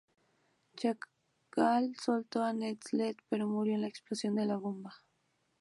Chacal soltó a Ned Leeds, pero murió en la explosión de la bomba.